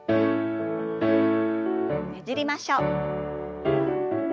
ねじりましょう。